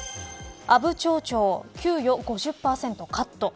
阿武町長、給与５０％カット。